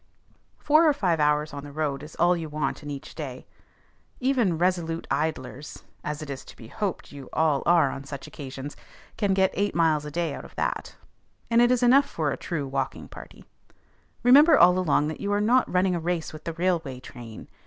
Four or five hours on the road is all you want in each day. Even resolute idlers, as it is to be hoped you all are on such occasions, can get eight miles a day out of that; and that is enough for a true walking party. Remember all along that you are not running a race with the railway train.